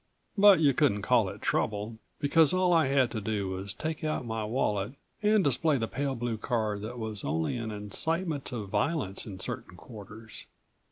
But you couldn't call it trouble, because all I had to do was take out my wallet and display the pale blue card that was only an incitement to violence in certain quarters.